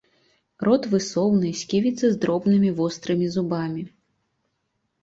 Рот высоўны, сківіцы з дробнымі вострымі зубамі.